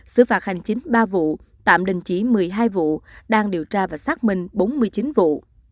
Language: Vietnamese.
xứ phạt hành chính ba vụ tạm đình chỉ một mươi hai vụ đang điều tra và xác minh bốn mươi chín vụ